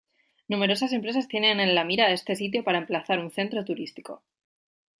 Numerosas empresas tienen en la mira a este sitio para emplazar un centro turístico.